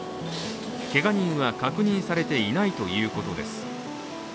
けが人は確認されていないということです。